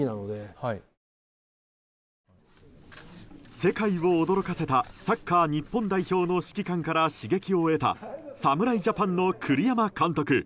世界を驚かせたサッカー日本代表の指揮官から刺激を得た侍ジャパンの栗山監督。